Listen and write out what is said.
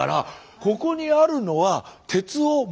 ここにあるのは鉄を元の姿に。